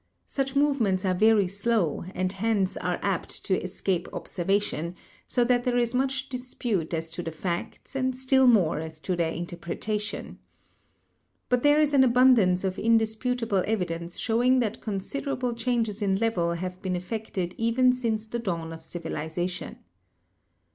Such movements are very slow, and hence are apt to escape observation, so that there is much dispute as to the facts and still more as to their interpretation. But there is an abundance of indisput > able evidence showing that considerable changes in level have been effected even since the dawn of civilization.